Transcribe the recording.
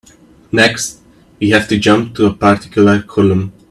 Next, we have to jump to a particular column.